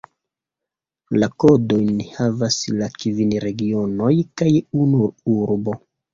La kodojn havas la kvin regionoj kaj unu urbo.